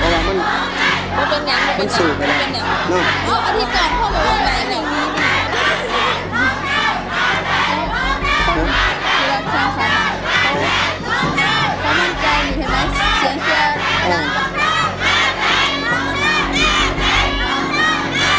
ภูมิร่มร่มน่าใจน่าใจน่าใจน่าใจ